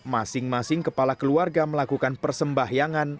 masing masing kepala keluarga melakukan persembahyangan